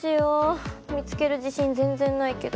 見つける自信全然ないけど。